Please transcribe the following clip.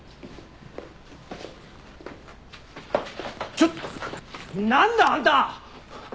ちょっ何だあんた！